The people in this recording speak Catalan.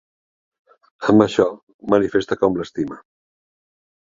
Amb això manifesta com l'estima.